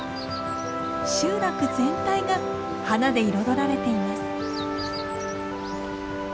集落全体が花で彩られています。